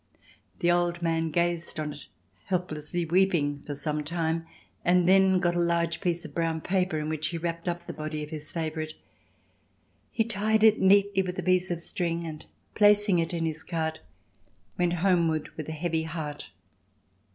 The old man gazed on it, helplessly weeping, for some time and then got a large piece of brown paper in which he wrapped up the body of his favourite; he tied it neatly with a piece of string and, placing it in his cart, went homeward with a heavy heart.